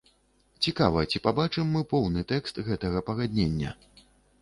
Цікава, ці пабачым мы поўны тэкст гэтага пагаднення?